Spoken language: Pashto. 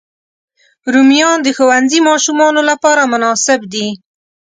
رومیان د ښوونځي ماشومانو لپاره مناسب دي